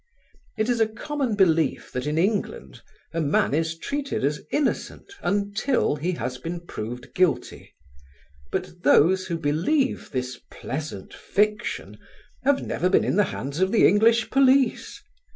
It is a common belief that in England a man is treated as innocent until he has been proved guilty, but those who believe this pleasant fiction, have never been in the hands of the English police.